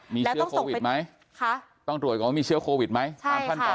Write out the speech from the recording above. มีเชื้อโควิดไหมต้องตรวจก่อนว่ามีเชื้อโควิดไหมตามขั้นตอน